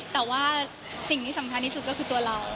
แต่ว่าสิ่งที่สำคัญที่สุดก็คือตัวเรา